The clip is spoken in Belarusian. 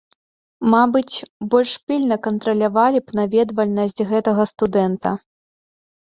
Мабыць, больш пільна кантралявалі б наведвальнасць гэтага студэнта.